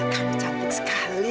kamu cantik sekali